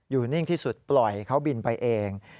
นิ่งที่สุดปล่อยเขาบินไปเอง